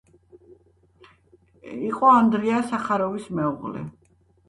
იყო ანდრია სახაროვის მეუღლე.